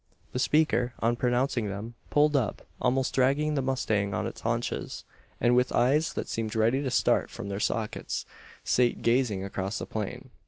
The speaker, on pronouncing them, pulled up, almost dragging the mustang on its haunches; and with eyes that seemed ready to start from their sockets, sate gazing across the plain.